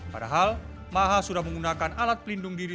padahal maha sudah menggunakan alat pelindung diri